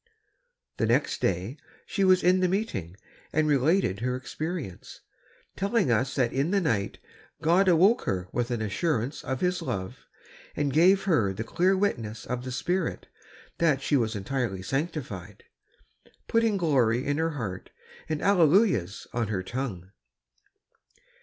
The next day she was in the meeting, and related her experience, telling us that in the night God awoke her with an assurance of His love, and gave her the clear witness of the Spirit that she was entirely sanctified, putting glory in her heart, and hallelujahs on her tongue.